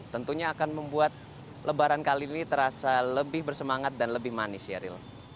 tentunya akan membuat lebaran kali ini terasa lebih bersemangat dan lebih manis sheryl